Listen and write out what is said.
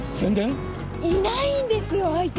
いないんですよ相手。